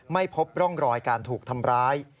ไม่พบร่องรอยการถูกทำร้าย